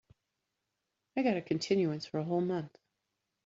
I got a continuance for a whole month.